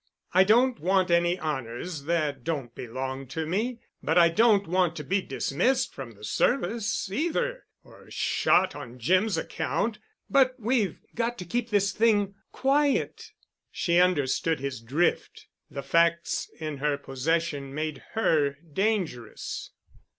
I don't want any honors that don't belong to me, but I don't want to be dismissed from the service, either, or shot—on Jim's account. But we've got to keep this thing quiet." She understood his drift. The facts in her possession made her dangerous.